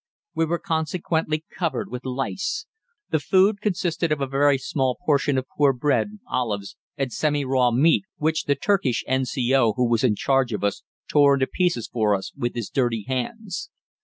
We were consequently covered with lice. The food consisted of a very small portion of poor bread, olives, and semi raw meat which the Turkish N.C.O. who was in charge of us tore in pieces for us with his dirty hands.